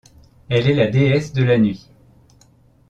Elle est la déesse de la nuit.